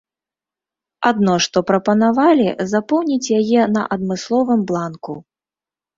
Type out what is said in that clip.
Адно што прапанавалі запоўніць яе на адмысловым бланку.